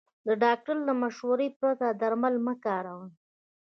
د ډاکټر له مشورې پرته درمل مه کاروئ.